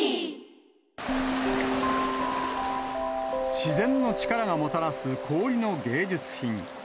自然の力がもたらす、氷の芸術品。